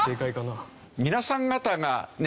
皆さん方がね